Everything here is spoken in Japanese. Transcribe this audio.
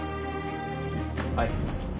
はい。